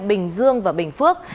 bình dương và bình phước